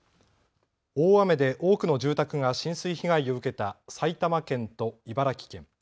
大雨で多くの住宅が浸水被害を受けた埼玉県と茨城県。